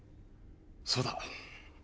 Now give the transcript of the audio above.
そうだ。